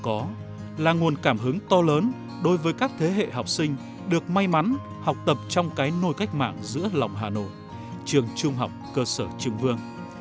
đó là nguồn cảm hứng to lớn đối với các thế hệ học sinh được may mắn học tập trong cái nôi cách mạng giữa lòng hà nội trường trung học cơ sở trưng vương